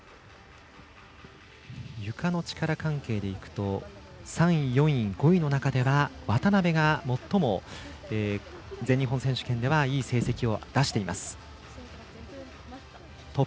ゆかの力関係でいくと３位、４位、５位の中では渡部が最も全日本選手権ではいい成績を出しています。